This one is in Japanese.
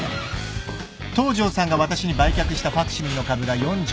東城さんが私に売却したファクシミリの株が４９％。